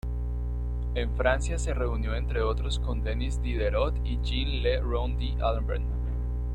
En Francia se reunió entre otros con Denis Diderot y Jean le Rond d'Alembert.